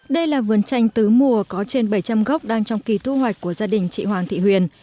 đây là vườn chanh tứ mùa có trên bảy trăm linh gốc đang trong kỳ thu hoạch của gia đình chị hoàng thị huyền